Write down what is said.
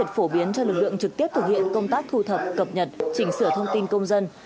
phổ biến cho lực lượng trực tiếp thực hiện công tác thu thập cập nhật chỉnh sửa thông tin công dân